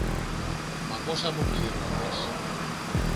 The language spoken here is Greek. Μα πόσα μου πληρώνεις;